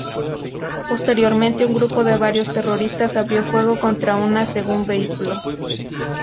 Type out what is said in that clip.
Posteriormente, un grupo de varios terroristas abrió fuego contra una segundo vehículo.